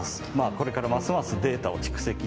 これからますますデータを蓄積してですね